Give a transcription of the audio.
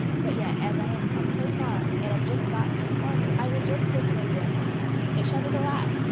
But yet, as I am come so far, and am just got to the closet, I will just take one damson it shall be the last.